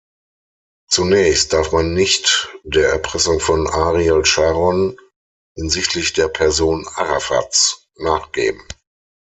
Zunächst darf man nicht der Erpressung von Ariel Sharon hinsichtlich der Person Arafats nachgeben.